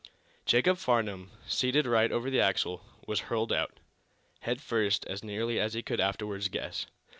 Jacob Farnum, seated right over the axle, was hurled out, head first as nearly as he could afterwards guess.